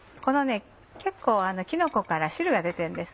結構きのこから汁が出てるんです。